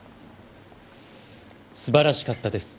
素晴らしかったです。